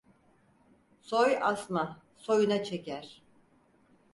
Soy asma, soyuna çeker.